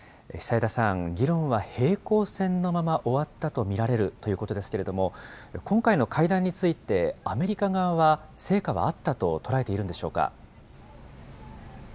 久枝さん、議論は平行線のまま終わったと見られるということですけれども、今回の会談について、アメリカ側は成果はあったと捉えているんでしょうか。